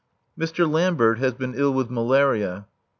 Mr. Lambert has been ill with malaria.